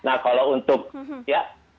nah kalau untuk ya